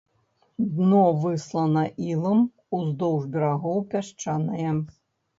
Дно выслана ілам, уздоўж берагоў пясчанае.